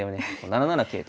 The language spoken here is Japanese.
７七桂と。